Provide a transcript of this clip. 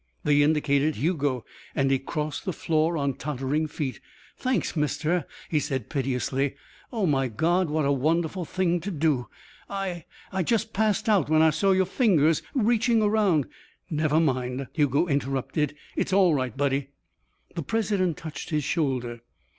They indicated Hugo and he crossed the floor on tottering feet. "Thanks, mister," he said piteously. "Oh, my God, what a wonderful thing to do! I I just passed out when I saw your fingers reaching around " "Never mind," Hugo interrupted. "It's all right, buddy." The president touched his shoulder.